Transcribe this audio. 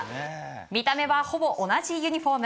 見た目は、ほぼ同じユニホーム。